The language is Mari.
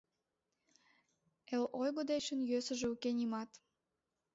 Эл ойго дечын йӧсыжӧ уке нимат.